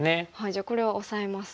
じゃあこれをオサえます。